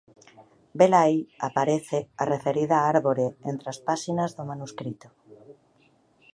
Velaí aparece a referida árbore entre as páxinas do manuscrito.